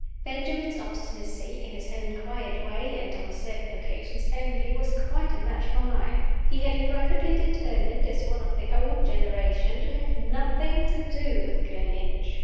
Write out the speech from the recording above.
Benjamin's obstinacy in its own quiet way, and on certain occasions only was quite a match for mine. He had privately determined, as one of the old generation, to have nothing to do with Gleninch.